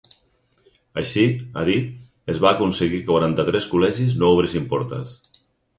Així, ha dit, es va aconseguir que quaranta-tres col·legis no obrissin portes.